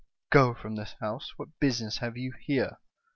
"' Go from this house ! What business have you here